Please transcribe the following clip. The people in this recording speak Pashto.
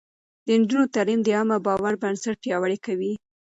د نجونو تعليم د عامه باور بنسټ پياوړی کوي.